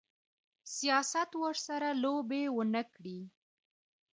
سیاست ورسره لوبې ونه کړي.